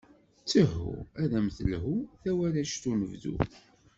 Ttehhu, ad am-telhu, tawaract n unebdu.